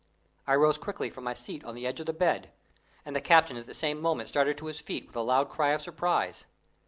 I rose quickly from my seat on the edge of the bed, and the captain at the same moment started to his feet with a loud cry of surprise.